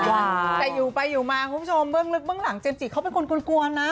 แต่อยู่ไปอยู่มาคุณผู้ชมเบื้องลึกเบื้องหลังเจมส์จิเขาเป็นคนกลวนนะ